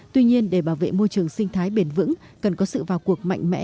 tuy nhiên để bảo vệ môi trường sinh thái bền vững cần có sự vào cuộc mạnh mẽ